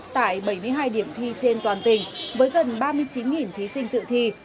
tại bảy mươi hai điểm thi trên toàn tỉnh với gần ba mươi chín thí sinh dự thi